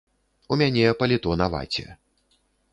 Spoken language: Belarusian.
У мяне паліто на ваце.